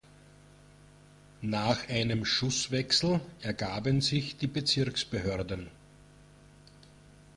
Nach einem Schusswechsel ergaben sich die Bezirksbehörden.